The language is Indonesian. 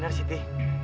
iya benar siti